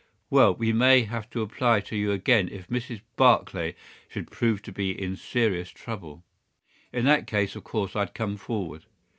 "Well, we may have to apply to you again if Mrs. Barclay should prove to be in serious trouble." "In that case, of course, I'd come forward."